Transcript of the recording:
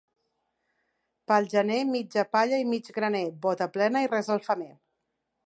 Pel gener, mitja palla i mig graner, bota plena i res al femer.